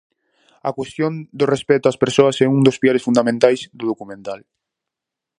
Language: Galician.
A cuestión do respecto ás persoas é un dos piares fundamentais do documental.